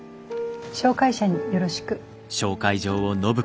紹介者によろしく。